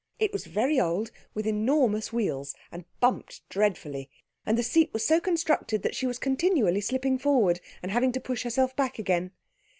It was very old, with enormous wheels, and bumped dreadfully, and the seat was so constructed that she was continually slipping forward and having to push herself back again.